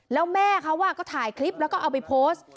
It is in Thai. แล้วแม่เขาก็ถ่ายคลิปแล้วก็เอาไปโพสต์